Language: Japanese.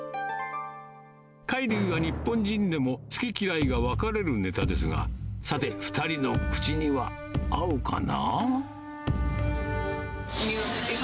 貝類は日本人でも好き嫌いが分かれるネタですが、さて、２人の口には合うかな？